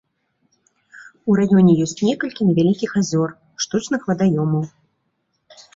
У раёне ёсць некалькі невялікіх азёр, штучных вадаёмаў.